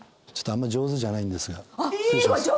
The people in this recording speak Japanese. ちょっとあんまり上手じゃないんですが。